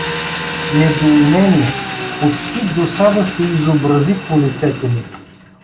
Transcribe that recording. Недоумение, почти досада, се изобрази по лицето му.